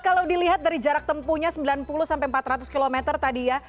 kalau dilihat dari jarak tempuhnya sembilan puluh sampai empat ratus km tadi ya